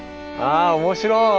あ面白い！